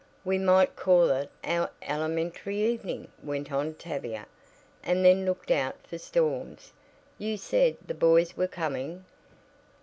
"We might call it our elementary evening," went on Tavia, "and then look out for storms. You said the boys were coming?"